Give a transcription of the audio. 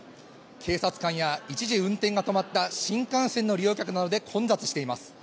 警察官や、一時運転が止まった新幹線の利用客などで混雑しています。